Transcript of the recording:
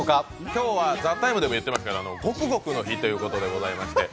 今日は「ＴＨＥＴＩＭＥ，」でも言ってましたけど、ゴクゴクの日ということでございまして。